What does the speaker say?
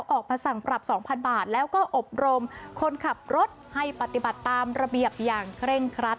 ออกมาสั่งปรับ๒๐๐บาทแล้วก็อบรมคนขับรถให้ปฏิบัติตามระเบียบอย่างเคร่งครัด